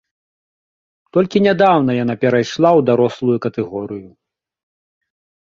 Толькі нядаўна яна перайшла ў дарослую катэгорыю.